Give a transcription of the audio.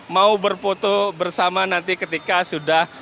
mau berfoto bersama nanti ketika sudah